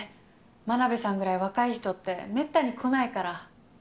真鍋さんぐらい若い人ってめったに来ないから。